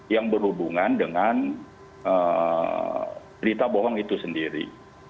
yang berhubungan dengan berita bohong itu sendiri